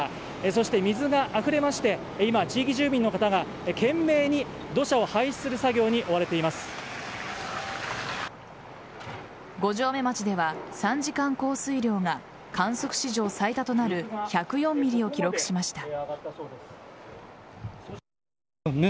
そして水があふれまして今、地域住民の方が懸命に土砂を排出する作業に五城目町では３時間降水量が観測史上最多となる１０４ｍｍを記録しました。